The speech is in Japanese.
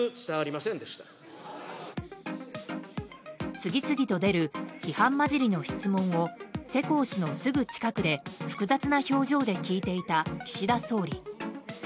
次々と出る批判交じりの質問を世耕氏のすぐ近くで複雑な表情で聞いていた岸田総理。